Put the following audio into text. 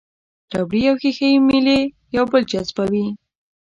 ربړي او ښيښه یي میلې یو بل جذبوي.